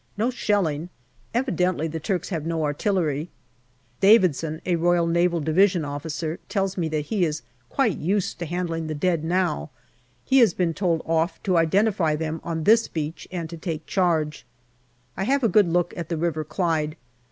No shelling. Evidently the Turks have no artillery. Davidson, an R.N.D. officer, tells me that he is quite used to handling the dead now. He has been told off to identify them on this beach and to take charge. I have a good look at the River Clyde.